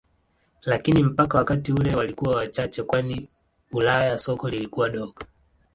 Lakini mpaka wakati ule walikuwa wachache kwani Ulaya soko lilikuwa dogo.